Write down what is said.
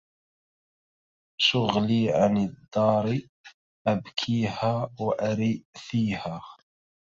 شغلي عن الدار أبكيها وأرثيها